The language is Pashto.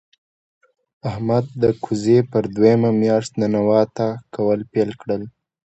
احمد د کوزې پر دویمه مياشت ننواته کول پیل کړل.